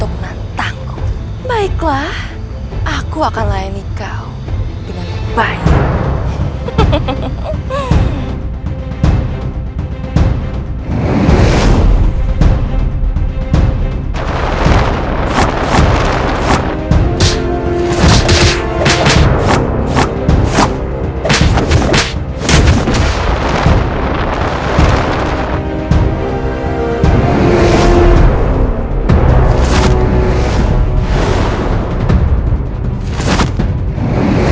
agar aku tidak menderita seperti ini